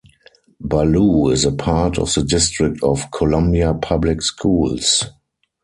Ballou is a part of the District of Columbia Public Schools.